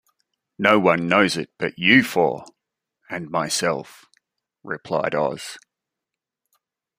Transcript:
"No one knows it but you four — and myself," replied Oz.